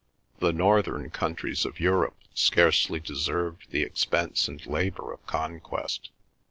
... The northern countries of Europe scarcely deserved the expense and labour of conquest.